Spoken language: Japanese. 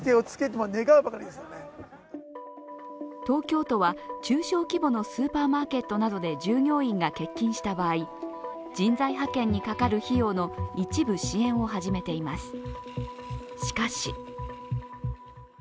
東京都は、中小規模のスーパーマーケットなどで従業員が欠勤した場合人材派遣にかかる費用の一部支援を始めています。